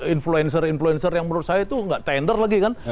influencer influencer yang menurut saya itu nggak tender lagi kan